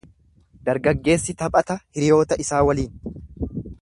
Dargaggeessi taphata hiriyoota isaa waliin.